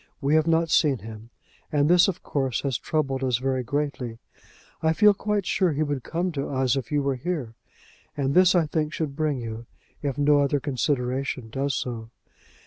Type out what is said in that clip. "We have not seen him, and this, of course, has troubled us very greatly. I feel quite sure he would come to us if you were here; and this, I think, should bring you, if no other consideration does so.